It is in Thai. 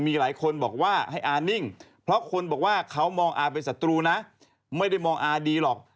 มีหลายคนบอกว่าให้อานิ่งเพราะคนบอกว่าเขามองอาเป็นศัตรูนะไม่ได้มองอาดีหรอก